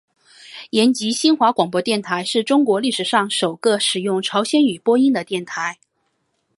延吉新华广播电台是中国历史上首个使用朝鲜语播音的电台。